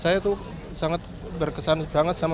saya tuh sangat berkesan banget sama